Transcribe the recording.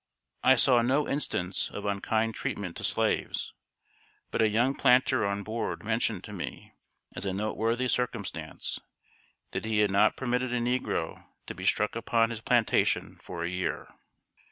I saw no instance of unkind treatment to slaves; but a young planter on board mentioned to me, as a noteworthy circumstance, that he had not permitted a negro to be struck upon his plantation for a year.